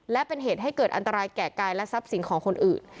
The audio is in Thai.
และเป็นเหตุให้เกิดอันตรายแก่กายและทรัพย์สินของคนอื่น